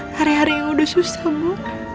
hari hari yang udah susah bu